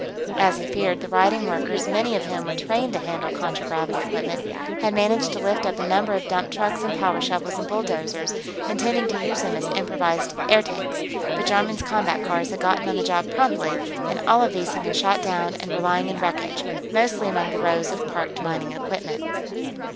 As he feared, the rioting workers, many of whom were trained to handle contragravity equipment, had managed to lift up a number of dump trucks and powershovels and bulldozers, intending to use them as improvised airtanks, but Jarman's combat cars had gotten on the job promptly and all of these had been shot down and were lying in wreckage, mostly among the rows of parked mining equipment.